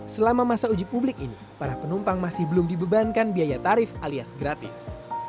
selama masa uji publik ini para penumpang masih belum dibebankan biaya tarif alias gratis